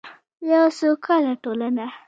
یوه سوکاله ټولنه.